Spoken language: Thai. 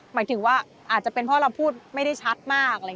หมายถึงว่าอาจจะเป็นเพราะเราพูดไม่ได้ชัดมาก